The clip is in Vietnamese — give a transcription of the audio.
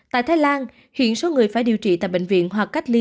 tại thái lan hiện số người phải điều trị tại bệnh viện hoặc cách ly